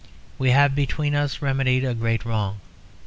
We have between us remedied a great wrong.